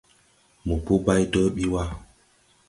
Mopo bay do ɓi wa.